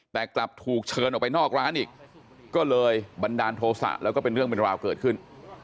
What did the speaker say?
แต่กลับถูกเชิญออกไปนอกร้านอีกก็เลยบันดาลโทษะแล้วก็เป็นเรื่องเป็นราวเกิดขึ้น